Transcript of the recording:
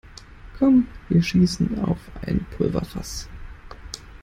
Kommt, wir schießen auf ein Pulverfass!